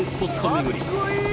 巡り